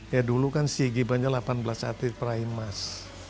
ya dulu kan sea games nya delapan belas atlet perahim mas